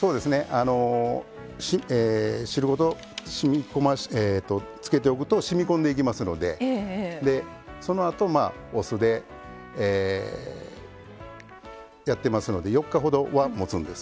あの汁ごとつけておくとしみ込んでいきますのでそのあとお酢でやってますので４日ほどはもつんです。